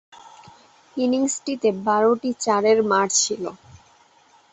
ইনিংসটিতে বারোটি চারের মার ছিল।